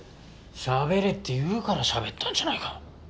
しゃべれって言うからしゃべったんじゃないか。